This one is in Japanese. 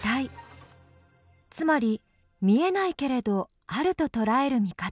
つまり見えないけれどあるととらえる見方。